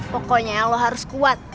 pokoknya lo harus kuat